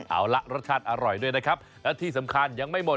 เอาละรสชาติอร่อยด้วยนะครับและที่สำคัญยังไม่หมด